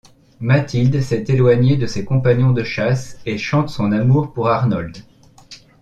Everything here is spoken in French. Mathilde s'est éloignée de ses compagnons de chasse et chante son amour pour Arnold.